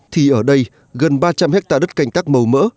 thì ở đây gần ba trăm linh ha đất cành tắc màu mỡ